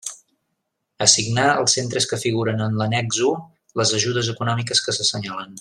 Assignar als centres que figuren en l'Annex u les ajudes econòmiques que s'assenyalen.